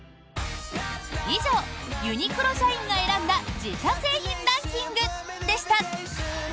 以上、ユニクロ社員が選んだ自社製品ランキングでした。